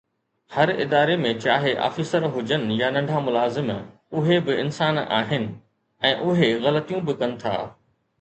هر اداري ۾ چاهي آفيسر هجن يا ننڍا ملازم، اهي به انسان آهن ۽ اهي غلطيون به ڪن ٿا